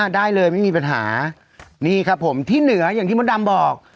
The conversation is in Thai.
ได้เลยไม่มีปัญหานี่ครับผมที่เหนืออย่างที่มดดำบอก